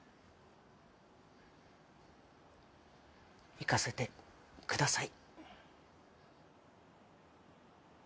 行かせてください。